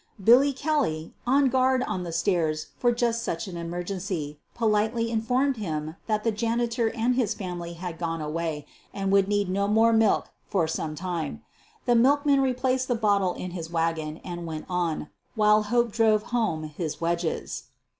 Billy Kelly, on guard on the stairs for just such an emergency, politely informed him that the jani tor and his family had gone away and would need no more milk for some time. The milkman replaced the bottle in his wagon and went on, while Hope drove home his wedges.